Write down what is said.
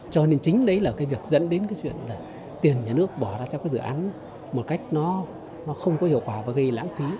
cho nên chính đấy là cái việc dẫn đến cái chuyện là tiền nhà nước bỏ ra cho cái dự án một cách nó không có hiệu quả và gây lãng phí